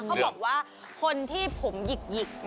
เขาบอกว่าคนที่ผมหยิก